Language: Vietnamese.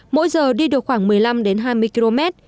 mỗi giờ đi được khoảng một mươi năm đến hai mươi km